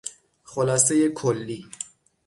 خلاصهی کلی